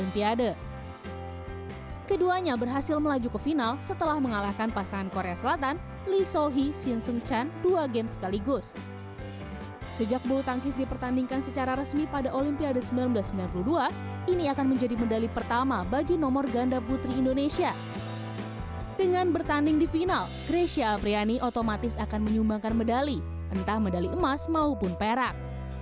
pertanding di final grecia apriani otomatis akan menyumbangkan medali entah medali emas maupun perak